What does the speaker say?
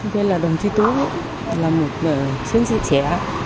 thế là đồng chí tú là một chiến sĩ trẻ